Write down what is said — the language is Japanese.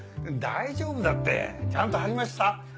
大丈夫だってちゃんと貼りました。